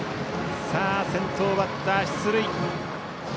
先頭バッター、出塁。